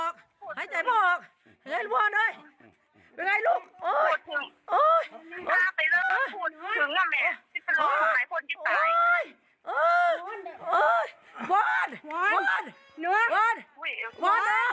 ไฟใจพ่อออกไฟใจพ่อออก